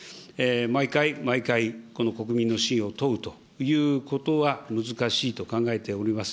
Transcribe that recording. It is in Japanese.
毎回毎回、この国民の信を問うということは難しいと考えております。